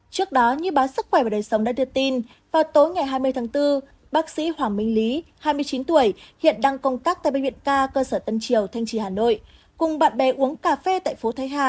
trước đó như báo sức khỏe và đời sống đã đưa tin vào tối ngày hai mươi tháng bốn bác sĩ hoàng minh lý hai mươi chín tuổi hiện đang công tác tại bệnh viện ca cơ sở tân triều thanh trì hà nội cùng bạn bè uống cà phê tại phố thái hà